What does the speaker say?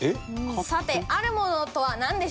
さて「あるもの」とはなんでしょう？